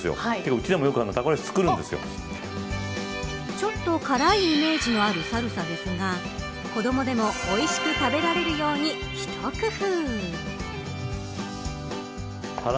ちょっと辛いイメージのあるサルサですが子どもでもおいしく食べられるようにひと工夫。